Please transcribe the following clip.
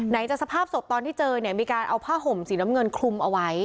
จากสภาพศพตอนที่เจอเนี่ยมีการเอาผ้าห่มสีน้ำเงินคลุมเอาไว้